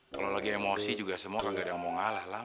kalau lagi emosi juga semua gak ada yang mau ngalah lam